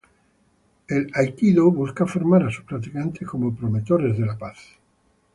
El Aikido busca formar a sus practicantes como promotores de la paz.